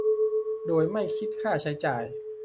โดยไม่คิดค่าใช้จ่าย